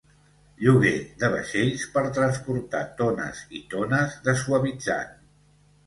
Lloguer de vaixells per transportar tones i tones de suavitzant.